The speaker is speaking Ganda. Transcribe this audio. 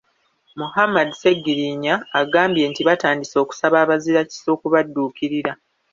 Muhammad Sseggirinya, agambye nti batandise okusaba abazirakisa okubadduukirira.